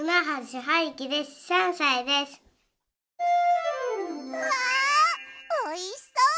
うわおいしそう！